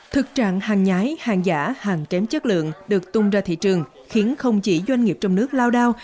thực trạng hàng nhái hàng giả hàng kém chất lượng được tung ra thị trường khiến không chỉ doanh nghiệp trong nước lao đao